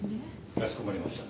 かしこまりました。